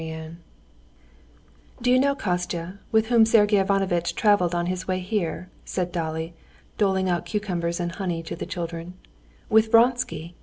Chapter 15 "Do you know, Kostya, with whom Sergey Ivanovitch traveled on his way here?" said Dolly, doling out cucumbers and honey to the children; "with Vronsky!